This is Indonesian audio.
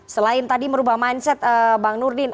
selain tadi merubah mindset bang nurdin